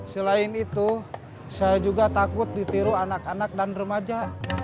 selain itu saya juga takut ditiru anak anak dan remaja